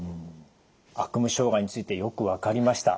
悪夢障害についてよく分かりました。